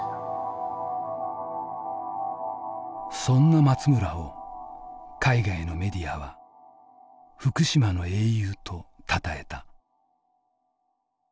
そんな松村を海外のメディアは「福島の英雄」とたたえた。